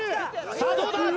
さあどうだ？